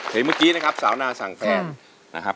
เห็นเหมือนกี้นะครับสาวนาสั่งแฟน